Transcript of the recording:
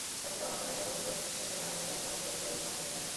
সবচেয়ে অবাক করার ব্যাপার হলো, সেখানে আগ্নেয়াস্ত্রের চেয়ে স্মার্টফোনের দাম বেশি।